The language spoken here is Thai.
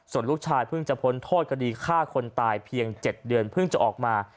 ส่วนลูกชายเพิ่งจะพ้นโทษคดีฆ่าคนตายเพียง๗เดือนเพิ่งจะออกมา